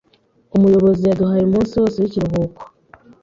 Umuyobozi yaduhaye umunsi wose w'ikiruhuko.